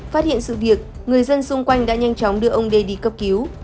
phát hiện sự việc người dân xung quanh đã nhanh chóng đưa ông d đi cấp cứu